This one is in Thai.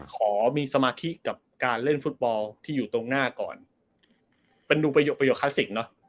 ขอมีสมาธิกับการเล่นฟุตบอลที่อยู่ตรงหน้าก่อนเป็นดูประโยคคลาสสิกเนอะ